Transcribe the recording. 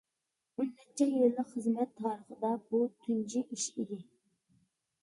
ئون نەچچە يىللىق خىزمەت تارىخىدا بۇ تۇنجى ئىش ئىدى.